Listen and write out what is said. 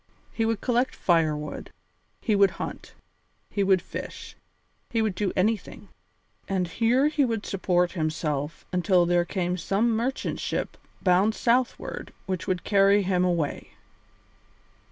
He would collect firewood, he would hunt, he would fish, he would do anything. And here he would support himself until there came some merchant ship bound southward which would carry him away.